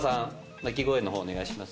鳴き声のほうお願いします。